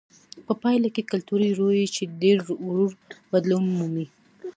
په پایله کې کلتوري رویې چې ډېر ورو بدلون مومي.